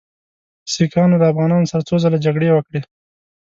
سیکهانو له افغانانو سره څو ځله جګړې وکړې.